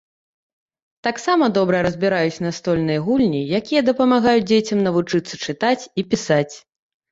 Таксама добра разбіраюць настольныя гульні, якія дапамагаюць дзецям навучыцца чытаць і пісаць.